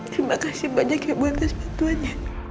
terima kasih banyak yang buat kesempatannya